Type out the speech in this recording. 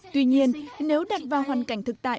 tuy nhiên nếu đặt vào hoàn cảnh thực tại